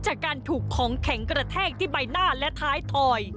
จากการถูกของแข็งกระแทกที่ใบหน้าและท้ายถอย